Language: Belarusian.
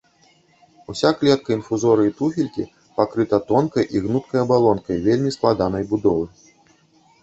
Уся клетка інфузорыі-туфелькі пакрыта тонкай і гнуткай абалонкай вельмі складанай будовы.